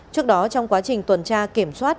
trước đó trong quá trình tuần tra kiểm soát